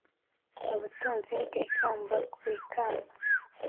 Ubutunzi bwe ikamba ku ikamba